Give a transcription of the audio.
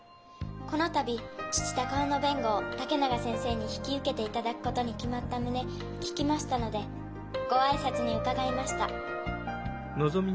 この度父鷹男の弁護を竹永先生に引き受けていただくことに決まった旨聞きましたのでご挨拶に伺いました。